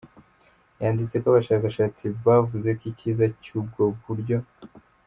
yanditse ko abashakashatsi bavuze ko icyiza cy’ubwo buryo.